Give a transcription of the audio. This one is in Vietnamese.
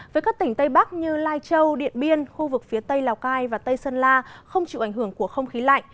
với các tỉnh tây bắc như lai châu điện biên khu vực phía tây lào cai và tây sơn la không chịu ảnh hưởng của không khí lạnh